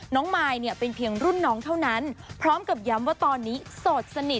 มายเนี่ยเป็นเพียงรุ่นน้องเท่านั้นพร้อมกับย้ำว่าตอนนี้โสดสนิท